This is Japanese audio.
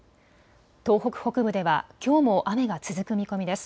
東北北部ではきょうも雨が続く見込みです。